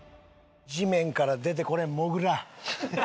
地面から出てこれんモグラ。